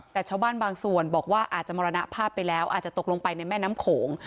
แต่ชาวบ้านบางส่วนบอกว่าอาจจะมรณภาพไปแล้วอาจจะตกลงไปในแม่น้ำโขง